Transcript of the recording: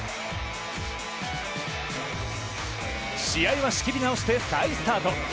試合は仕切り直しで再スタート。